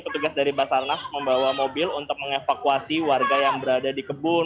petugas dari basarnas membawa mobil untuk mengevakuasi warga yang berada di kebun